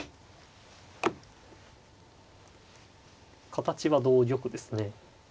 形は同玉ですね。